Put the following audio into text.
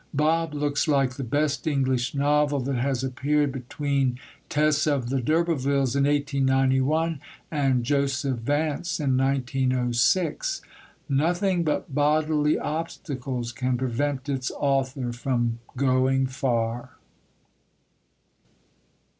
Bob looks like the best English novel that has appeared between Tess of the D'Urbervilles in 1891, and Joseph Vance in 1906. Nothing but bodily obstacles can prevent its author from going far.